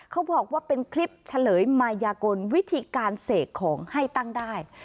เขาบอกว่าเป็นคลิปเฉลยมายากลวิธีการเสกของให้ตั้งได้